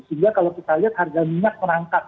sehingga kalau kita lihat harga minyak merangkak